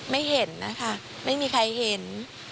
ไม่เห็นนะคะไม่มีใครเห็น